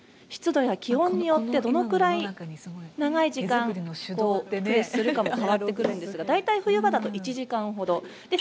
湿度や気温によって、どのくらい長い時間プレスするかも変わってくるんですが大体、冬場だと１時間ほど。